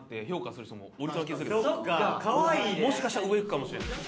もしかしたら上いくかもしれん。